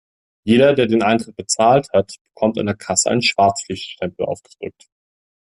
Jeder, der den Eintritt bezahlt hat, bekommt an der Kasse einen Schwarzlichtstempel aufgedrückt.